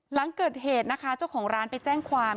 หลังเกิดเหตุนะคะเจ้าของร้านไปแจ้งความ